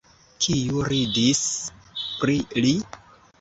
Kiu ridis pri li?